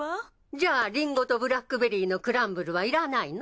じゃあリンゴとブラックベリーのクランブルはいらないの？